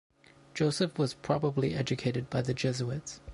Joseph was probably educated by the Jesuits.